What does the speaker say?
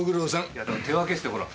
いやだから手分けしてほら。